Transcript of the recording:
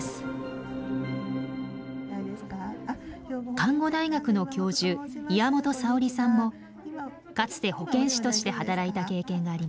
看護大学の教授岩本里織さんもかつて保健師として働いた経験があります。